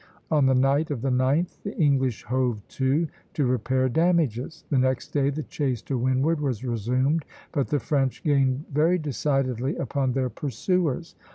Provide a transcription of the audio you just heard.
On the night of the 9th the English hove to to repair damages. The next day the chase to windward was resumed, but the French gained very decidedly upon their pursuers.